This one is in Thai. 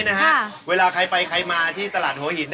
นารายในปากนี่